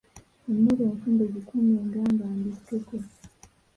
Emmere enfumbe gikuumenga nga mbikkeko.